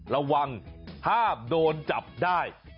ระวังห้ามโดนจับได้